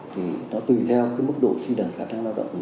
thì nó tùy theo mức độ xây dựng khả năng lao động